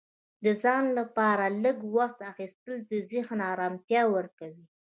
د ځان لپاره لږ وخت اخیستل ذهني ارامتیا ورکوي.